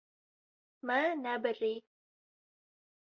Me nebirî.